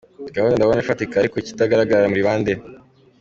gahunda ndabona ifatika ariko ikitagararaga muri bande?